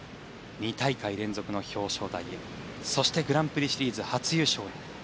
２大会連続の表彰台へそしてグランプリシリーズ初優勝へ。